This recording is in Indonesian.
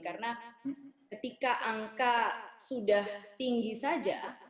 karena ketika angka sudah tinggi saja